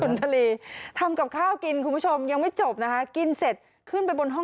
สูงทะลีทำกับข้าวกินคุณผู้ชมยังไม่จบนะคะ